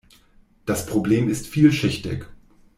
Das Problem ist vielschichtig.